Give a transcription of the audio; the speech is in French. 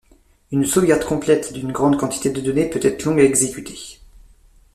Une sauvegarde complète d'une grande quantité de données peut être longue à exécuter.